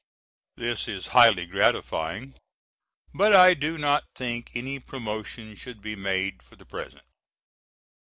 This is highly gratifying but I do not think any promotions should be made for the present.